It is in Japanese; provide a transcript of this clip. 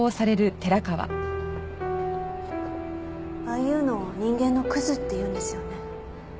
ああいうのを人間のクズって言うんですよね。